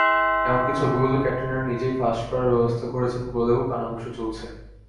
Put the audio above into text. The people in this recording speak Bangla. এমনকি ছবিগুলো ক্যাটরিনা নিজেই ফাঁস করার ব্যবস্থা করেছেন বলেও কানাঘুষা চলছে।